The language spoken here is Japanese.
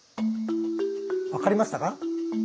分かりましたか？